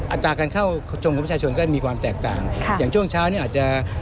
อัตราการเข้าชมของประชาชนก็มีความแตกต่างค่ะอย่างช่วงเช้าเนี่ยอาจจะ